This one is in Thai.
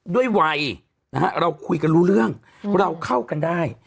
ด้วยวัยนะฮะเราคุยกันรู้เรื่องเราเข้ากันได้